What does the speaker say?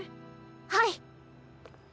はい！